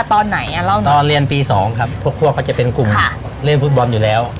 ตอนนั้นพนันอะไรคะ